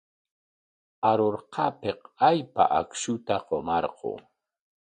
Arunqaapik aypa akshuta qumarqun.